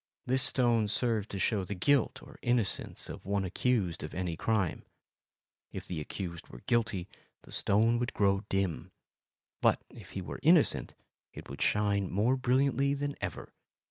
This stone served to show the guilt or innocence of one accused of any crime; if the accused were guilty, the stone would grow dim, but if he were innocent, it would shine more brilliantly than ever.